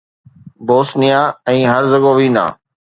Bosnia ۽ Herzegovina